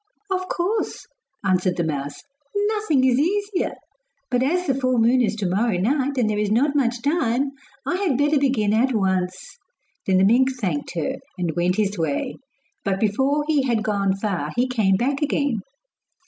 'Of course,' answered the mouse, 'nothing is easier; but as the full moon is to morrow night, and there is not much time, I had better begin at once.' Then the mink thanked her, and went his way; but before he had gone far he came back again.